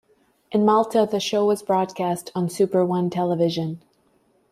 In Malta the show was broadcast on Super One Television.